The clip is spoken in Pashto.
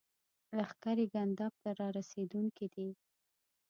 لښکرې ګنداب ته را رسېدونکي دي.